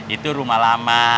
itu rumah lama